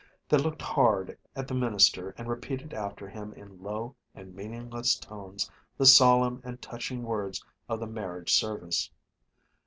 They looked hard at the minister and repeated after him in low and meaningless tones the solemn and touching words of the marriage service.